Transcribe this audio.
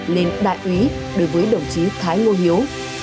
lên đại úy đối với đồng chí thái ngô hiếu